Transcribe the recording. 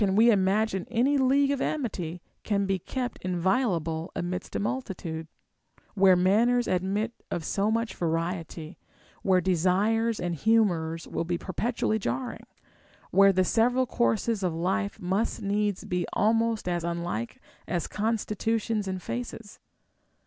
473 we imagine any league of amity can be kept inviolable amidst a multitude, where manners admit of so much vari ety, where desires and humors will be perpetually jarring, where the several courses of life must needs be almost as unlike as constitutions and faces'?